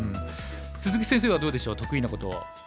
鈴木先生はどうでしょう得意なこと。